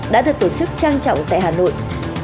đã được tổ chức trang trọng tại hà nội